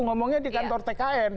ngomongnya di kantor tkn